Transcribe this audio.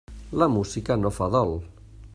La música no fa dol.